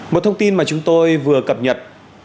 một thông tin mà chúng tôi vừa cập nhật